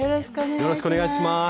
よろしくお願いします。